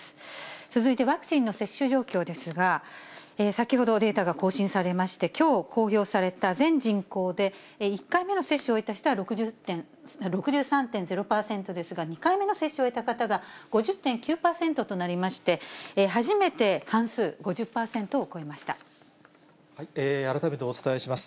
続いて、ワクチンの接種状況ですが、先ほどデータが更新されまして、きょう公表された全人口で１回目の接種を終えた人は６３．０％ですが、２回目の接種を終えた方が５０．９％となりまして、初めて半数・改めてお伝えします。